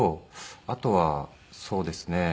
あとはそうですね。